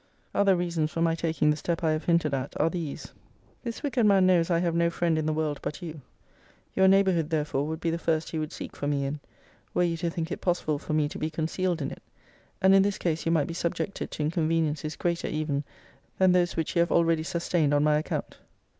Other reasons for my taking the step I have hinted at, are these. This wicked man knows I have no friend in the world but you: your neighbourhood therefore would be the first he would seek for me in, were you to think it possible for me to be concealed in it: and in this case you might be subjected to inconveniencies greater even than those which you have already sustained on my account.